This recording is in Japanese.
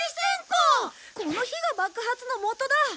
この火が爆発のもとだ！